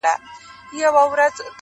د آدب ټوله بهير را سره خاندي,